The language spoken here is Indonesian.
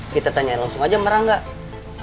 kita tanya langsung aja marah nggak